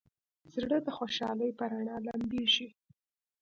زړه د خوشحالۍ په رڼا لمبېږي.